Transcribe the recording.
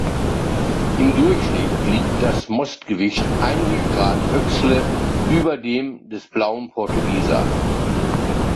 Im Durchschnitt liegt das Mostgewicht einige Grad Oechsle über dem des Blauen Portugieser.